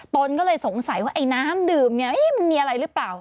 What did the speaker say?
ตนก็เลยสงสัยว่าไอ้น้ำดื่มเนี่ยมันมีอะไรหรือเปล่า